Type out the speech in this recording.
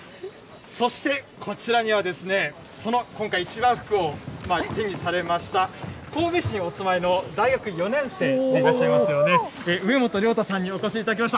そしてこちらには、その今回、一番福を手にされました、神戸市にお住まいの大学４年生でいらっしゃいますよね、植本亮太さんにお越しいただきました。